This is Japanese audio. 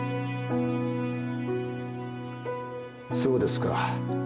そうですか。